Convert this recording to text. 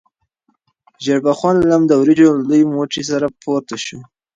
ژیړبخون لم د وریجو له لوی موټي سره پورته شو.